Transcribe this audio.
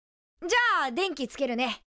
じゃあ電気つけるね。